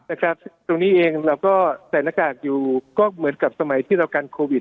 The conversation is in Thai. ตรงนี้เองเราก็ใส่หน้ากากอยู่ก็เหมือนกับสมัยที่เรากันโควิด